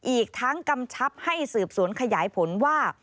อีกทั้งกำชับให้สืบสวนขยายผลว่า